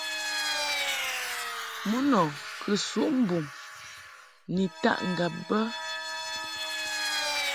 Mun ɔ kɨ suʼ mbum ni taʼ ŋgab be.